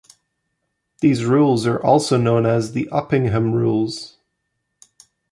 These rules are also known as the Uppingham Rules.